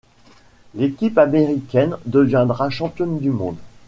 L'équipe américaine deviendra championne du monde.